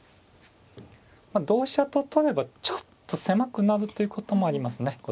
同飛車と取ればちょっと狭くなるということもありますね